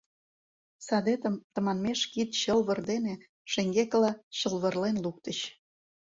Садетым тыманмеш кид чылвыр дене шеҥгекыла чылвырлен луктыч.